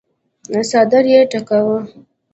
څادر يې ټکواهه.